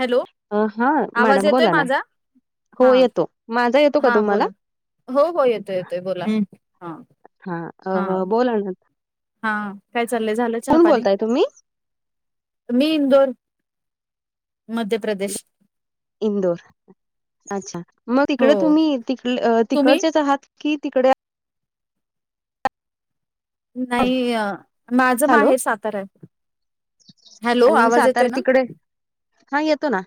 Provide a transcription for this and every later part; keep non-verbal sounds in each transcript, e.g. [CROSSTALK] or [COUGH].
Hello हा आवाज madam येतोय बोला ना माझा हो हा येतो माझा येतो का हा तुम्हाला? बोला हो हो येतो येतोय बोला हा. हा हा अ बोला ना हा काय चाललंय झालं कोण चहापानी? बोलताय तुम्ही मी इंदौर, मध्य प्रदेश. इंदोर अच्छा मग हो तिकडे तुम्ही तुम्ही तिकडच्याच आहात कि तिकडे नाही माझ हॅलो माहेर सातारा आहे, हॅलो आणि तुम्ही आवाज येतोय सातारा ना? तिकडे हा, येतो ना.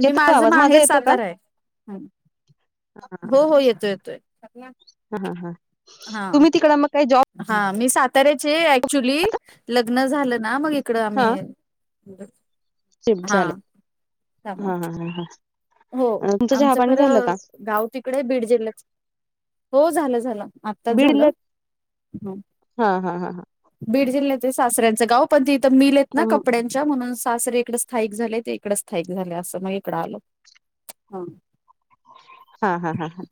मी येतो माझं आवाज माझा माहेर येतो का सातारा आहे. हो हो येतो येतोय. हा हा हा, हा तुम्ही तिकड मग का जॉब हा मी साताऱ्याची आहे ॲक्च्युली लग्न झालं ना मग इकडे आम्ही. हा हॅलो. शिफ्ट झाले हा त्यामुळे हा ह ह. हो आमचं खरं गाव तिकडे आहे बीड जिल्हाच हो झालं झालं. आताच बीड झालं, जिल्ह्यात ह. हा हा हा बीड जिल्ह्यात सासऱ्यांचं गाव पण तिथं मिल आहेत ना कपड्या म्हणून सासरे इकडे स्थायिक झाले, तर इकडे स्थायिक झाले असं तर मग इकडे आलो. हा हा हा हा हा.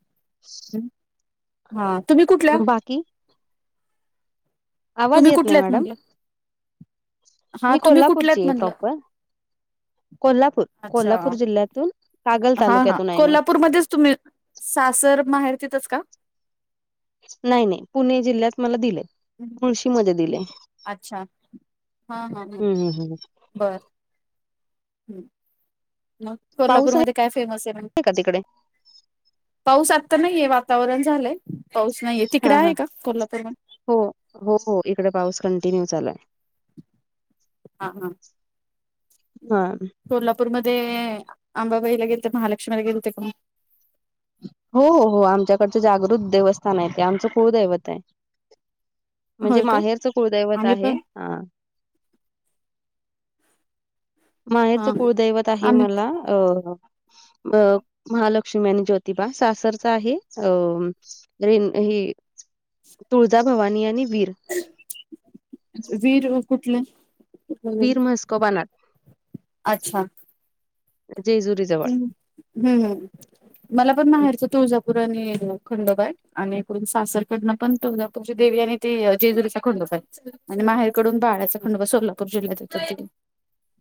हा तुम्ही कुठल? हा बाकी आवाज तुम्ही येत नाही कुठल्यात मॅडम म्हणलं हा मी तुम्ही कोल्हापूरची कुठल्यात आहे म्हणलं? प्रॉपर कोल्हापूर अच्छा कोल्हापूर जिल्ह्यातून कागल हा हा, तालुक्यातून आहे मी कोल्हापूर मध्येच तुम्ही सासर माहेर तिथेच का? नाही नाही, पुणे जिल्ह्यात मला दिलेय. हम्म. मुळशी मध्ये दिले. अच्छा हा हा ह. हम्म हम्म. बरं हा मग पाऊस कोल्हापूरमध्ये आहे काय फेमस आहे मग? का तिकडे पाऊस आत्ता नाहीये वातावरण झालंय पाऊस नाहीये, तिकडे हा हा आहे का कोल्हापूर मध्ये? हो हो, हो हो, इकडे पाऊस कंटिन्यू चालुय. हा हा हा कोल्हापूरमध्ये अंबाबाईला गेल ते, महालक्ष्मीला गेले होते का म हो हो आमच्याकडचं जागृत देवस्थान आहे ते, आमचं कुळदैवत आहे. म्हणजे होय का माहेरचं कुळदैवत आम्ही आहे, पण हा. माहेरच हा कुळदैवत आहे आम्ही मला अ. अ महालक्ष्मी आणि ज्योतिबा, सासरचा आहे अम. रेन हे, तुळजा भवानी आणि वीर वीर मग कुठले? वीर मस्कोबा नात जेजुरीच. हा मला पण माहेरचं तुळजाप पूर आणि खंडोबा आहे, आणि इकडून सासरकडनं पण तुळजापूरची देवी आणि ते जेजुरीचा खंडोबा आहे. आणि माहेरकडून बाळ्याचा खंडोबा सोलापूर जिल्ह्यात येतो ति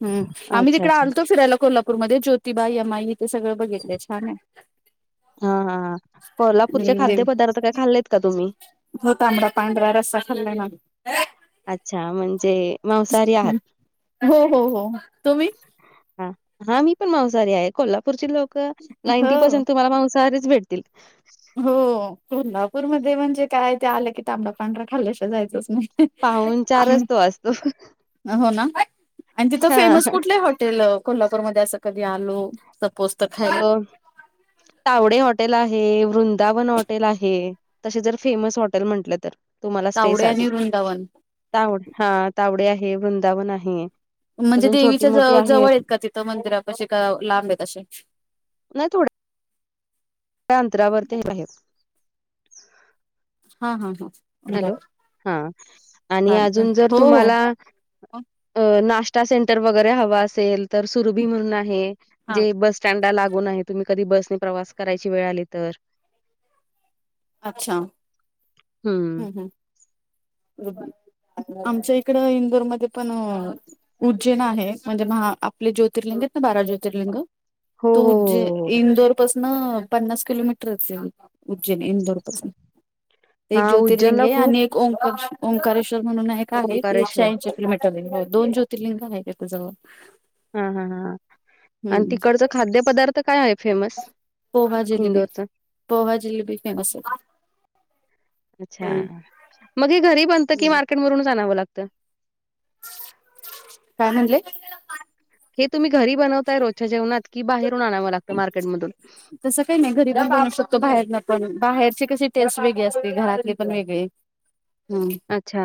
हम्, आम्ही अच्छा तिकडे अच्छा आलतो फिरायला, कोल्हापूरमध्ये ज्योतिबा, यमाई ते सगळं बघितलंय, छान आहे. हा, हा, हा कोल्हापूरचे हम्म देवी खाद्यपदार्थ काय खाल्लेत का तुम्ही? हो तांबडा, पांढरा, रस्सा खाल्लाय ना. अच्छा म्हणजे मांसाहारी आहात हम्म, हो, हो, हो, तुम्ही? हा, हा मी पण मांसाहारी आहे, कोल्हापूरची लोकं, नाइन्टी हो पर्सेंट तुम्हाला मांसाहारीच भेट तील हो कोल्हापूरमध्ये म्हणजे काय, ते आलं की, तांबडा पांढरा खाल्ल्याशिवाय जायचंच नाही. पाहूनचारच तो आम असतो. हो ना, आन तिथं हा फेमस कुठलं हॉटेल अ कोल्हापूरमध्ये असं कधी आलो, सपोज तर खायला अ तावडे हॉटेल आहे, वृंदावन हॉटेल आहे. तसे जर फेमस हॉटेल म्हटलं तर, तुम्हाला स्टे तावडे आणि साठी. वृंदावन ताव हा, तावडे आहे, वृंदावन आहे. म्हणजे, अजून छोटी देवीच्या ज मोठी जवळ आहेत का तिथं मंदिरापाशी, का लांब आहेत असे? नाही, थोडं अंतरावरती आहे बाहेर हा, हा, हा हॅलो, बर हा, आणि चालतंय अजून जर हो तुम्हाला हो अ नास्तासेंटर वगैरे हव असेल तर सुरुभी म्हणून आहे, हा जे बस स्टँडला लागून आहेत. तुम्ही कधी बसने प्रवास करायची वेळ आली, तर अच्छा, हम्म, हं. हम्म गूड बाय. आमच्या इकडं इंदोरमध्ये पण उज्जैेन आहे, म्हणजे महा आपले ज्योतिर्लिंग आहेत ना बारा ज्योतिर्लिंग हो, तू हो, हो, उज्जैन हो, हो. इंदोरपसन पन्नास किलोमीटरच आहे उज्जैन. इंदोरपसन एक हां, ज्योतिर्लिंगे उज्जैनला आहे खूप आणि एक ओंकारेष ओंकारेश म्हणून एक आहे, ते ओंकारेश्वर. एकशेऐंशी किलोमीटर आहे, दोन ज्योतर्लिंग आहे त्याच्याजवळ. हा, हा, हा आन तिकडंच खाद्य पदार्थ तर काय आहे फेमस पोहा जिलेबी इंदोरच? पोहा जिलेबी फेमस आहे अच्छा, मग हे घरी बनत की मार्केट वरूनच आणावं लागतं? काय हाणलंय? हे तुम्ही घरी बनवताय रोजच्या जेवणात, की बाहेरून आणावं लागतं मार्केटमधून? तसं काही नाही, घरी पण बनवू शकतो, बाहेरन पण, बाहेरची कशी टेस्ट वेगळी असते, घरातली पण वेगळी [INAUDIBLE] हम्म अच्छा.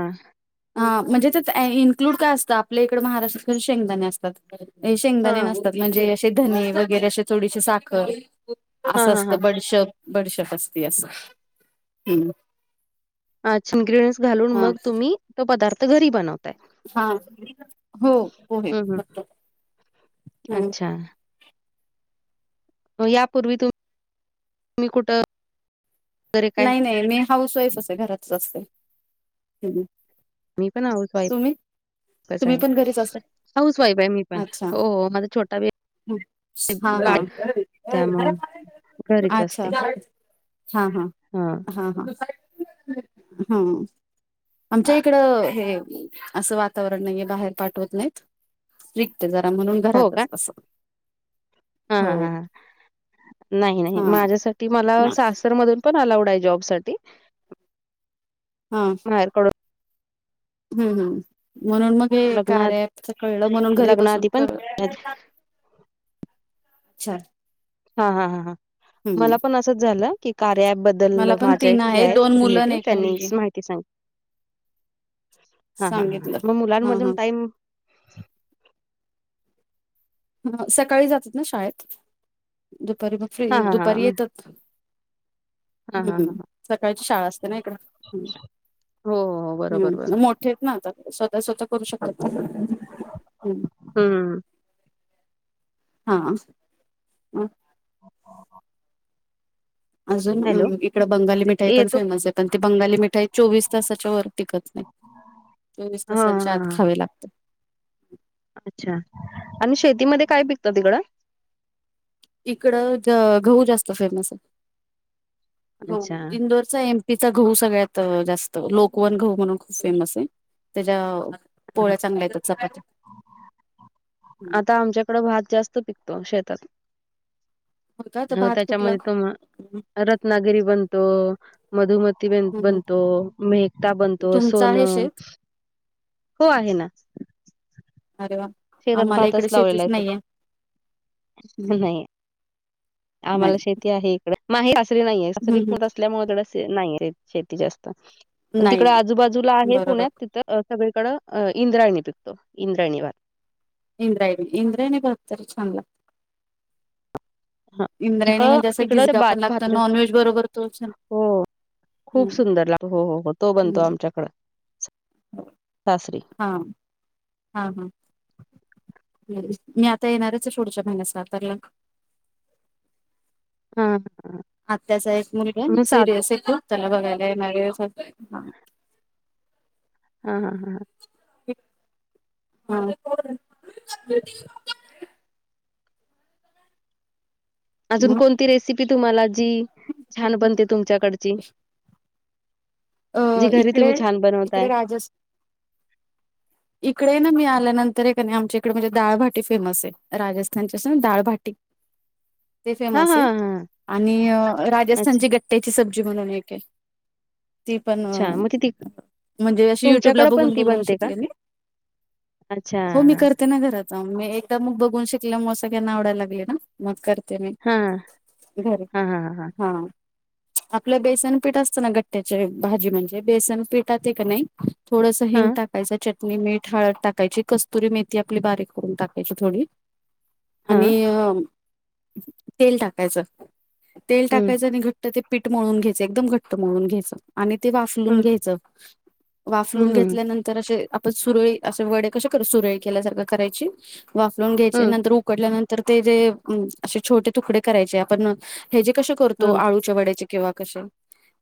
अ म्हणजे त्यात इनक्लूड काय असतं, आपल्या इकडं महाराष्ट्रात शेंगदाणे असतात. हे शेंगदाणे हां. नसतात, म्हणजे असे धने वगैरे असे थोडीशी साखर हां, असं हां, हां. असतं बडीशोप, बडीशोप असती असं, हम्म असं इनग्रीअंट्स घालून हा मग तुम्ही तो पदार्थ घरी बनव हा, हो, हो, हे हं, हं. [UNINTELLIGIBLE] अच्छा. हो यापूर्वी तु तुम्ही कुठं वगैरे काय? नाही, नाही मी हाऊस वाईफ आहे घरातच असते. मी पण हाऊस वाईफ तुम्ही कसं तुम्ही आहे. पण घरीच असता हाऊस वाईफ आहे मी पण, अच्छा हो हो माझा छोटा बे हा हा बाळ त्यामुळे घरीच अच्छा. हा हा. हा. हा हा हं. आमच्या इकडं हे असं वातावरण नाहीये बाहेर पाठवत नाहीत. रिक्त जरा म्हणून घरातच असं हा हा हो हा हा नाही नाही, हा माझ्यासाठी मला सासरमधून पण अलाउड आहे जॉब साठी. हा. [UNINTELLIGIBLE] हंम हंम म्हणून मग हे लग्ना कार्य अँप्सच कळलं, म्हणून घरी लग्नाआधी बसून पण कर चार. हा हा हा मला पण असंच झालं, की कार्य अँपबद्दल मला बदल पण माझ्या तीन एक हे आहे आहेत दोन मुलं आणि रिलेटिव्ह एक मुलगी त्यांनीच माहिती सांग हा हा हा हा सांगितलं मग हा मुलांमधून हा टाईम ह सकाळी जातात ना शाळेत, दुपारी मग हां, [UNINTELLIGIBLE] हां, हां. दुपारी मग येतात. हां, हां, हां, हमं हां. सकाळची शाळा असते ना इकडं. हो, हो, हो. बरोबर, बरोबर. हंम मोठे आहेत आता, स्वतः स्वतःच करू शकतात. हमं. हां. [INAUDIBLE] हॅलो? अजून इकड बंगाली मिठाई पण येतो फेमस आहे, पण ती बंगाली मिठाई चोवीस तासाच्या वर टिकत नाही. चोवीस हा तासांच्या आत हा खायला अच्छा आणि शेतीमध्ये काय पिकतं तिकडं? इकडं गहू जास्त फेमस आहे, गहू अच्छा इंदूरचा तिचा गहू सगळ्यात जास्त, लोकवन गहू म्हणून खूप फेमस आहे त्याच्या हा पोळ्या चांगल्या येतात चपात्या आता आमच्या हिकडं भात जास्त पिकतो शेतात, हो का तर हं भात कुठला? त्याच्यामध्ये तुम हम्म रत्नागिरी बनतो. मधुमती बन हम्म बनतो, मेहता बनतो, तुमचं आहे सोनम. शेत हो आहे ना. अरे वा. शेतात आम्हाला भातच इकडे शेतीच लावलेला आहे फक्त. नाहीये हमं. नाही आम्हाला शेती आहे इकडे माहे सासरी नाहीये, हम्म सासरी [UNINTELLIGIBLE] हम्म त्यामुळं इथं जास्त नाहीये शेती जास्त, नाही तिकड आजूबाजूला आहे बरोबर पुण्यात अं सगळीकडं अ इंद्रायणी पिकतो, इंद्रायणी भात. इंद्रायणी, इंद्रायणी तरी भात चांगला हं इंद्रायणी हिकडं, म्हणजे असं तिकडं गिजगा पण भात लागतो भाकरीच नॉनव्हेज बरोबर तो छान हो. खूपच हम्म सुंदर लागतो. हो हो, तो बनतो हम्म आमच्याकडं सासरी. हा हा हा. मी आता येणारच आहे पुढच्या महिन्यात सातारला. [INAUDIBLE] हा आत्याचा एक मुलगा मग आहे सात सिरीयस आहे तो. त्याला बघायला येणार आहे हा, हा, हा, ह [UNINTELLIGIBLE] अजून मग कोणती रेसिपी तुम्हाला जी छान बनते तुमच्याकडची अ, जी घरी इकडे तुम्ही छान बनवताय [UNINTELLIGIBLE] [INAUDIBLE] इकडे ना मी आल्यानंतर हे कनाय, आमच्या इकडं म्हणजे दाळबाटी फेमस आहे राजस्थानची अस ना दाळबाटी. [INAUDIBLE] ते फेमस हा आहे हा आणि अच्छा. राजस्थानची गट्ट्याची सब्जी म्हणून एक आहे. ती पण अच्छा मग ती म्हणजे अशी युट्युबला तुमच्याकडे पण बघून ती बघून बनते का शिकले मी. अच्छा हो मी करते ना घरात जाऊन, मी एकदा मग बघून शिकले, म सगळ्यांना आवडायला लागले ना? मग, करते मी हा घरी, हा हा हा आपलं, बेसन पीठ असत ना, गट्ट त्याचे भाजी म्हणजे, बेसन पिठात हे का नाही, थोडंस हा हिंग टाकायचा, च नी मीठ हाळद टाकायची, कस्तुरी मेथी आपली बारीक करून टाकायची थोडी. [INAUDIBLE] आणि अ तेल टाकायचं, तेल हम्म टाकायचं आणि घट ट्ट ते पीठ मळून घ्यायच, एकदम घट्ट मळून घ्यायच. आणि ते वाफलून हम्म घ्यायचं, वाफलून हम्म हम्म घेतल्यानं तर असे आपण सुरळी, असे वडे कसे करू, सुरळी केल्यासारखं करायची, वाफलून घ्यायचे हम्म नंतर ऊ उकडल्यानंतर ते जे असे छोटे तुकडे करायचे, आपण हयाजे कसं करतो, हम्म आळूच्या वड्याचे किंवा कसे,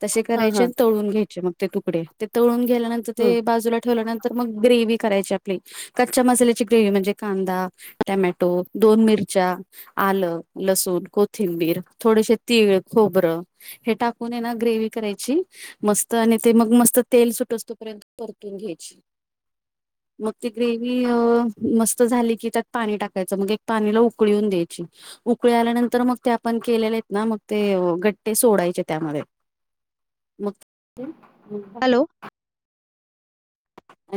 तसे हा हा करायचे, तळून घ्यायचे मग. ते तुकडे, ते तळून गेल्यानंतर हम्म ते बाजूला ठेवल्यानंतर, मग ग्रेव्ही करायची आपली कच्च्या मसाल्याची ग्रेव्ही म्हणजे कांदा, टॅमॅटो, दोन मिरच्या आलं, लसूण, कोथिंबीर थोडेसे तीळ, खोबरं हे टाकून हेना, ग्रेवी करायची, मस्त आणि ते मग मस्त तेल सुटोस्तोपर्यंत परतून घ्यायची. [INAUDIBLE] मग ती ग्रेवी अ मस्त झाली, की त्यात पाणी टाकायचं, मग एक पाणीला उकळी येवून द्यायची. उकळी आल्यानंतर, मग ते आपण केलेले आहेत ना, मग ते गट्टे सोडायचे त्यामध्ये. मग, हॅलो [UNINTELLIGIBLE]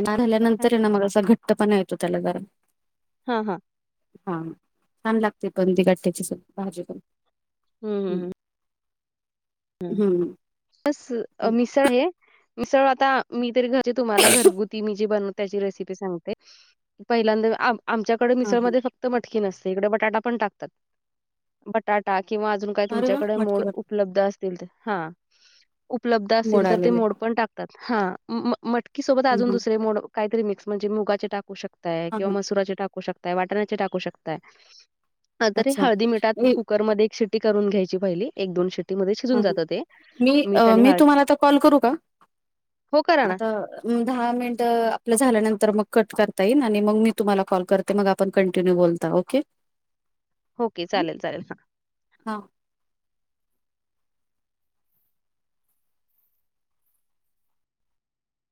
ना हा राहील्यानंतर हाय ना, मग असा घट्ट पणा येतो त्याला जरा हा, हा हा, छान लागते पण, ते गट्टयाची स भाजी, पण हम्म, हम्म, हम्म हम्म बसं मिसळ, ते मिसळ आता मी तर घरी जे तुम्हाला घरगुती मी जे बन त्याची रेसिपी सांगते, पहिल्यांदा आम आमच्या कडे हा हा मिसळमध्ये फक्त मटकी नसते, इकडं बटाटा पण टाकतात, बटाटा किंवा अजून काय अरे वा तुमच्याकडं मटकी मोड बटाटे उपलब्ध असतील त हा, उपलब्ध असतील तर, ते मोड पण टाक हा, म मटकीसोबत आजून हम्म दुसरे मोड काहीतरी मिक्स म्हणजे मुगाचे टाकू टाकू शकताय, हा किंवा हा मसुराचे टाकू शकताय, वाटण्याचे टाकू शकताय हा, तरी अच्छा हळदी मिठात मी कुकरमध्ये एक शिटी करून घ्यायची पाहिली, एक दोन शिटीमध्ये हा, हा, मी अ, मी तुम्हाला आता कॉल करू का? हो करा ना. आता म दहा मिनिटं आपलं झाल्यानंतर मग कट करता येईल, आणि मग मी तुम्हाला कॉल कर त मग आपण कंटिन्यू बोलता ओके. ओके चालेल चालेल हां. हां.